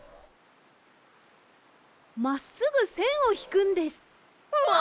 まっすぐせんをひくんです。わ！